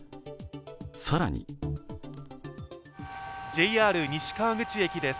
更にＪＲ西川口駅です。